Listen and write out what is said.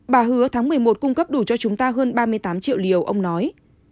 bà hứa tháng một mươi một cung cấp đủ cho chúng ta hơn ba mươi tám triệu liều ông nói